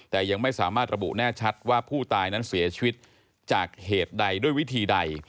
แต่ยังไม่สามารถระบุแน่ชัดว่าผู้ตายนั้นเสียชีวิตจากเหตุใดด้วยวิธีใด